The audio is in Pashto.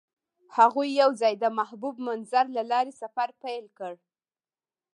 هغوی یوځای د محبوب منظر له لارې سفر پیل کړ.